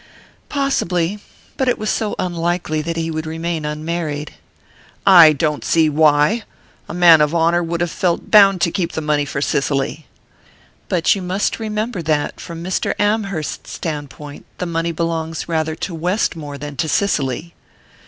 "Possibly. But it was so unlikely that he would remain unmarried." "I don't see why! A man of honour would have felt bound to keep the money for Cicely." "But you must remember that, from Mr. Amherst's standpoint, the money belongs rather to Westmore than to Cicely."